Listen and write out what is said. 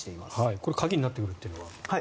これ、鍵になってくるというのは？